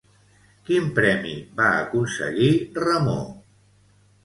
Quin premi va aconseguir Remor?